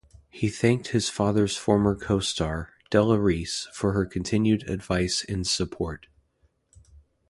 He thanked his father's former co-star, Della Reese, for her continued advice and support.